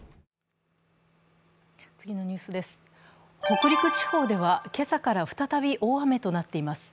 北陸地方では今朝から再び大雨となっています。